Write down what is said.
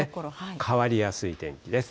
変わりやすい天気です。